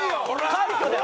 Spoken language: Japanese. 快挙だよ。